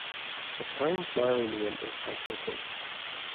The town's Maori name is "Taitoko".